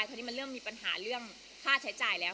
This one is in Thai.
ตอนนี้มันเริ่มมีปัญหาเรื่องค่าใช้จ่ายแล้ว